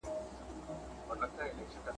نن لا د مُغان ډکه پیاله یمه تشېږمه ..